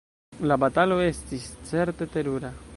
La batalo estis certe terura!